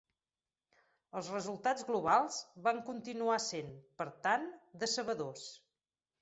Els resultats globals van continuar sent, per tant, decebedors.